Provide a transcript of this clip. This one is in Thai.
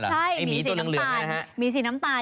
ใช่หมีสีน้ำตาลมีสีน้ำตาล